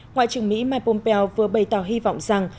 ngoại trưởng mỹ mike pompeo vừa bày tỏ hy vọng rằng